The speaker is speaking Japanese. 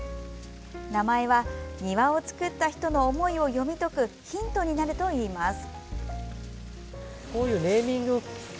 名前は、庭を造った人の思いを読み解くヒントになるといいます。